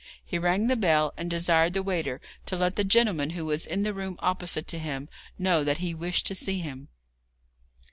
He rang the bell, and desired the waiter to let the gentleman who was in the room opposite to him know that he wished to see him.